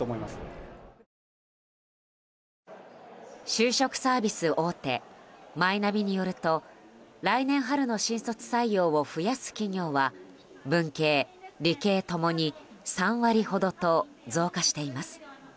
就職サービス大手マイナビによると来年春の新卒採用を増やす企業は文系・理系共に３割ほどと増加しています。